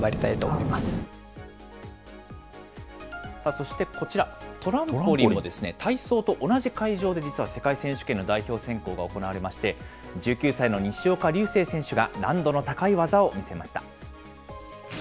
そしてこちら、トランポリンも体操と同じ会場で実は世界選手権の代表選考が行われまして、１９歳の西岡隆成選手が、難度の高い技を見せました。